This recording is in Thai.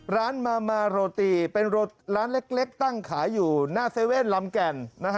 ร้านมามาโรตีเป็นร้านเล็กตั้งขายอยู่หน้าเว่นลำแก่น